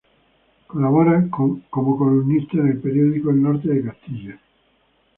Colabora como columnista en el periódico "El Norte de Castilla".